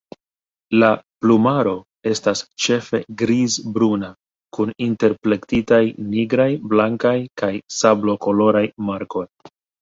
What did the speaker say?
La plumaro estas ĉefe grizbruna kun interplektitaj nigraj, blankaj kaj sablokoloraj markoj.